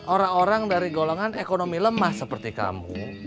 orang orang dari golongan ekonomi lemah seperti kamu